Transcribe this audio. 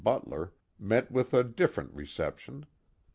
Butler met with a different re ception.